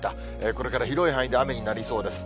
これから広い範囲で雨になりそうです。